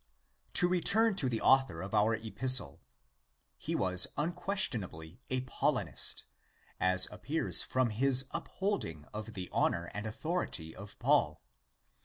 To return to the author of our Epistle. He was unquestionably a Paulinist, as appears from his upholding of the honour and authority of Paul.